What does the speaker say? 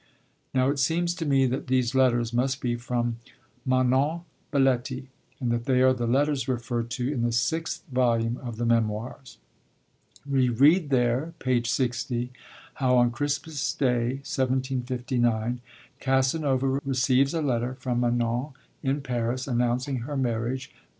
Now, it seems to me that these letters must be from Manon Baletti, and that they are the letters referred to in the sixth volume of the Memoirs. We read there (page 60) how on Christmas Day, 1759, Casanova receives a letter from Manon in Paris, announcing her marriage with 'M.